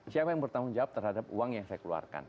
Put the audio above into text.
siapa yang bertanggung jawab terhadap uang yang saya keluarkan